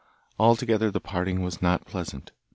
Altogether the parting was not pleasant.